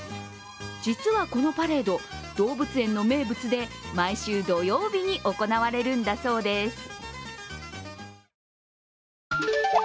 実はこのパレード、動物園の名物で毎週土曜日に行われるんだそうです。